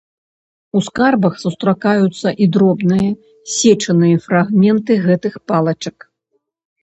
У скарбах сустракаюцца і дробныя, сечаныя фрагменты гэтых палачак.